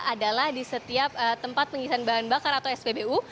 adalah di setiap tempat pengisian bahan bakar atau spbu